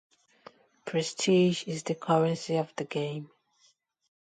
Prestige is the currency of the game.